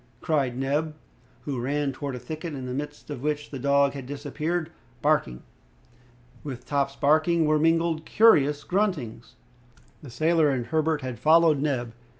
cried Neb, who ran towards a thicket, in the midst of which the dog had disappeared, barking. With Top's barking were mingled curious gruntings. The sailor and Herbert had followed Neb.